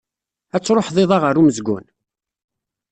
Ad truḥeḍ iḍ-a ɣer umezgun?